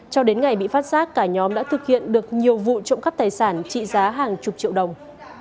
cho đến ngày bị phát giác cả nhóm đã thực hiện được nhiều vụ trộm cắp tài sản trị giá hàng chục triệu đồng